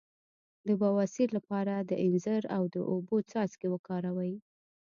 د بواسیر لپاره د انځر او اوبو څاڅکي وکاروئ